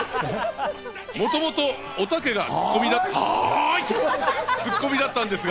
もともと、おたけがツッコミだったんです。